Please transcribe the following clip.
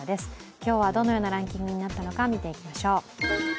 今日はどのようなランキングになったのか見ていきましょう。